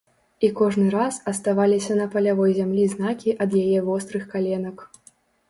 І кожны раз аставаліся на палявой зямлі знакі ад яе вострых каленак.